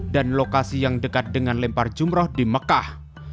dan lokasi yang dekat dengan lempar jumroh di mekah